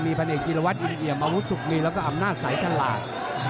มีพันเอกจิลวัฒน์อิริเกียร์มะวุศุกร์มีแล้วก็อำนาจสายชะหลาด